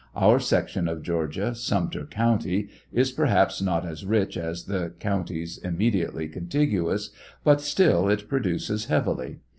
Our section of Georgia, Sumter county, is perhaps not as rich as the counties imme diately contiguous, but still it produces heavily.